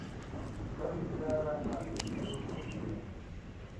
Está realizada al óleo sobre lienzo.